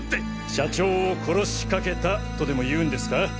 社長を殺しかけたとでも言うんですか。